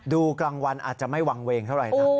กลางวันอาจจะไม่วางเวงเท่าไหร่นะ